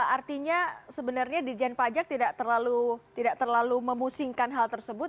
artinya sebenarnya dijen pajak tidak terlalu memusingkan hal tersebut